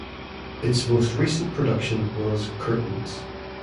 Its most recent production was "Curtains".